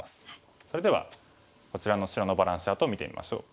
それではこちらの白のバランスチャートを見てみましょう。